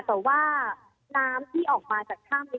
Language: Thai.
แต่ว่าน้ำที่ออกมาจากถ้ำนี้